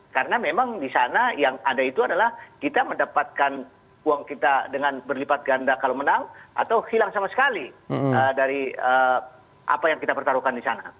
karena memang di sana yang ada itu adalah kita mendapatkan uang kita dengan berlipat ganda kalau menang atau hilang sama sekali dari apa yang kita pertaruhkan di sana